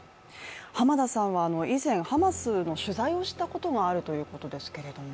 浜田さんは以前、ハマスの取材をしたということがあるそうですけれども？